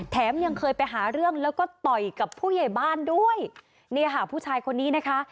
แถมยังเคยไปหาเรื่องแล้วก็ต่อยกับผู้ใหญ่บ้านด้วยเนี่ยค่ะผู้ชายคนนี้นะคะ